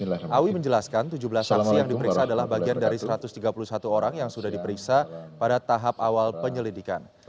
awi menjelaskan tujuh belas saksi yang diperiksa adalah bagian dari satu ratus tiga puluh satu orang yang sudah diperiksa pada tahap awal penyelidikan